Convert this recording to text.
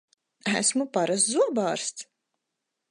Esmu parasts zobārsts!